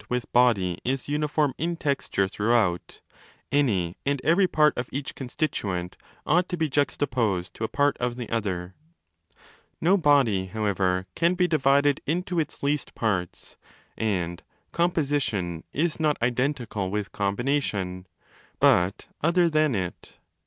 το 3287 with body is uniform in texture throughout, any and every part of each constituent ought to be juxtaposed to a part of 5 the other. No body, however, can be divided into its 'least' parts: and 'composition ' is not identical with 'combination', but other than it.